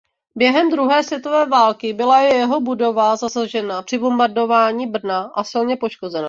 Během druhé světové války byla jeho budova zasažena při bombardování Brna a silně poškozena.